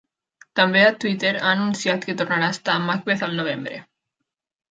També a Twitter ha anunciat que tornarà a estar a Macbeth al novembre!